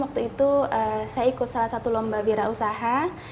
waktu itu saya ikut salah satu lomba wirausaha